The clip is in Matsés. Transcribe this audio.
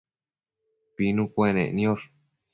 pinu cuenec niosh